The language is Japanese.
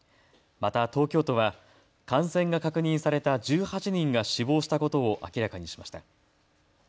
また東京都は感染が確認された１８人が死亡したことを明らかにしました。